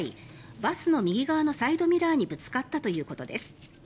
バスの右側のサイドミラーにぶつかったということです。